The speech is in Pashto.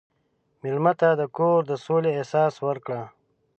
مېلمه ته د کور د سولې احساس ورکړه.